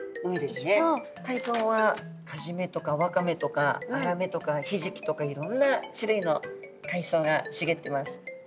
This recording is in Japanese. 海藻はカジメとかワカメとかアラメとかヒジキとかいろんな種類の海藻がしげってます。